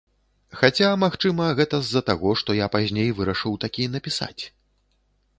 Хаця, магчыма, гэта з-за таго, што я пазней вырашыў такі напісаць.